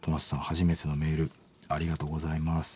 初めてのメールありがとうございます。